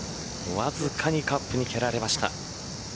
わずかにカップに蹴られました。